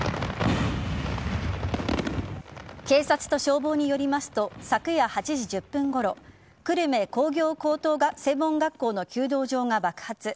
警察と消防によりますと昨夜８時１０分ごろ久留米工業高等専門学校の弓道場が爆発。